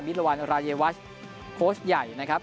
มิตรวรรณรายวัชโค้ชใหญ่นะครับ